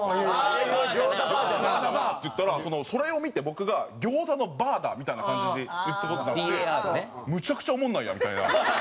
ああ「餃子ばーじゃな」。って言ったらそれを見て僕が「餃子のバーだ」みたいな感じで言った事になってむちゃくちゃおもんないやんみたいな。